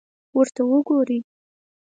ورته وګورئ!